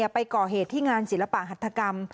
ไปก่อเหตุที่งานศิลปะหัฐกรรม